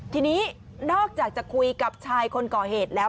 ทีนี้นอกจากจะคุยกับชายคนก่อเหตุแล้ว